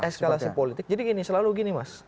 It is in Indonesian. eskalasi politik jadi gini selalu gini mas